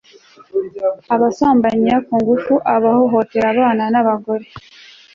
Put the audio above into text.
abasambanya ku ngufu, abahohotera abana n'abagore